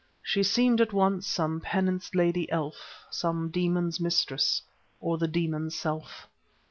"She seemed, at once, some penanced lady elf, Some demon's mistress, or the demon's self...."